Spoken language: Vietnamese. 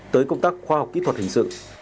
tới công tác khoa học kỹ thuật hình sự